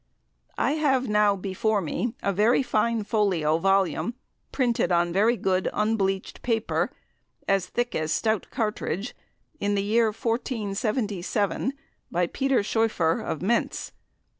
I have now before me a fine folio volume, printed on very good unbleached paper, as thick as stout cartridge, in the year 1477, by Peter Schoeffer, of Mentz.